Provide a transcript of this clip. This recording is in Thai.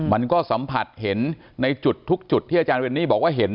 มันก็สัมผัสเห็นในจุดทุกจุดที่อาจารย์เรนนี่บอกว่าเห็น